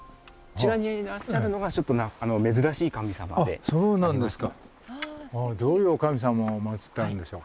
あっそうなんですか。